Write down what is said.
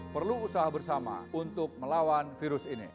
perlu usaha bersama untuk melawan virus ini